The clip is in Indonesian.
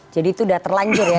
jadi itu udah terlanjur ya